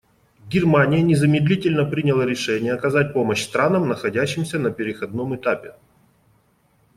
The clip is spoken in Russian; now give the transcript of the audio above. Германия незамедлительно приняла решение оказать помощь странам, находящимся на переходном этапе.